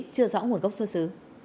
chưa rõ nguồn gốc xuất xứ